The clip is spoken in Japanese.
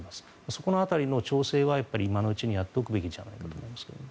そこの辺りの調整は今のうちにやっておくべきじゃないかと思います。